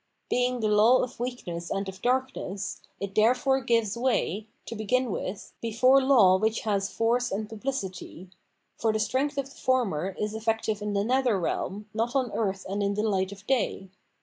Being the law of weakness and of darkness, it therefore gives way, to begin with, before law which has force and pub licity; for the strength of the former is effective in the nether realm, not on earth and in the light of day.